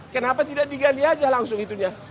kenapa tidak digali aja langsung itunya